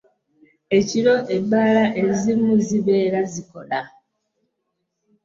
Ekiro ebbaala ezimu zibeera zikola.